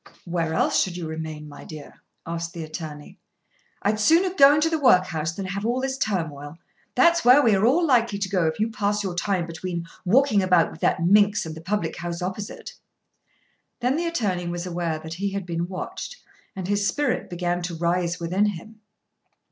"Where else should you remain, my dear?" asked the attorney. "I'd sooner go into the workhouse than have all this turmoil. That's where we are all likely to go if you pass your time between walking about with that minx and the public house opposite." Then the attorney was aware that he had been watched, and his spirit began to rise within him.